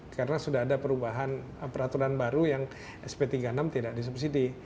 karena sudah ada perubahan peraturan baru yang sp tiga puluh enam tidak disubsidi